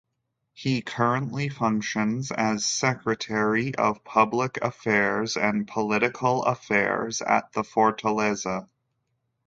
He currently functions as Secretary of Public Affairs and Political Affairs at the Fortaleza.